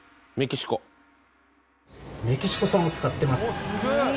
メキシコ産を使ってます。